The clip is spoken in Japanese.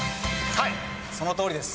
はい、そのとおりです。